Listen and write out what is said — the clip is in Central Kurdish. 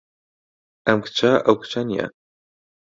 ئەم کچە ئەو کچە نییە.